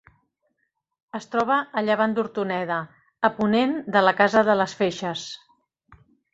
Es troba a llevant d'Hortoneda, a ponent de la Casa de les Feixes.